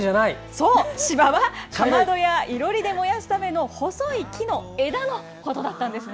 柴はかまどや囲炉裏で燃やすための細い木の枝のことだったんですね。